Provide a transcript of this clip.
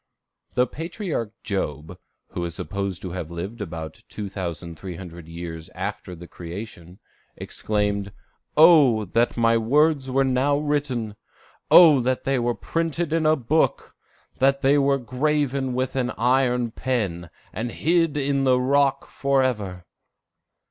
] The patriarch Job, who is supposed to have lived about 2,300 years after the creation, exclaimed, "O that my words were now written! O that they were printed in a book! that they were graven with an iron pen, and hid in the rock forever!"